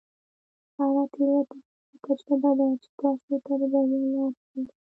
هره تیروتنه یوه تجربه ده چې تاسو ته د بریا لاره ښیي.